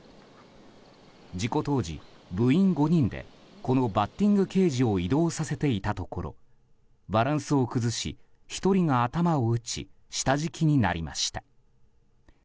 事故当時、部員５人でこのバッティングケージを移動させていたところバランスを崩し１人が頭を打ち下敷きになりました。